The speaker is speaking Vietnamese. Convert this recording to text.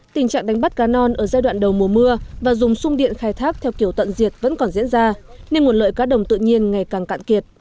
tình trạng đánh bắt cá non ở giai đoạn đầu mùa mưa và dùng sung điện khai thác theo kiểu tận diệt vẫn còn diễn ra nên nguồn lợi cá đồng tự nhiên ngày càng cạn kiệt